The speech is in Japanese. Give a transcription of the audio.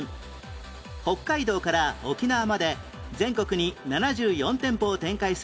北海道から沖縄まで全国に７４店舗を展開する